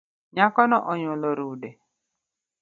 Nyako no onywolo rude